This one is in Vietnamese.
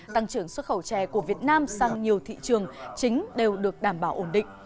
tăng trưởng xuất khẩu chè của việt nam sang nhiều thị trường chính đều được đảm bảo ổn định